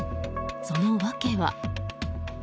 その訳は。